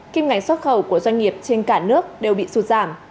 kim ngạch xuất khẩu của doanh nghiệp trên cả nước đều bị sụt giảm